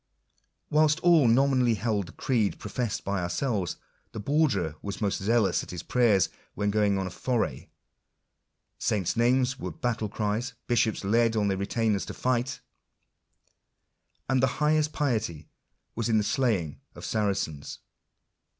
Whilst all nominally held the creed professed by ourselves, the Borderer was most zealous at his prayers when going on a foray; saints' names were battle cries; bishops led on their retainers to fight ; and the highest piety was in the slaying of Saracens.